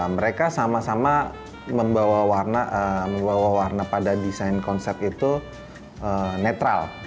mereka sama sama membawa warna pada desain konsep itu netral